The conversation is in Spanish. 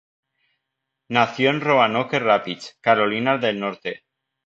Nació en Roanoke Rapids, Carolina del Norte.